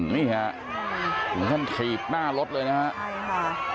นี่ฮะเหมือนกันถีบหน้ารถเลยนะฮะใช่ค่ะ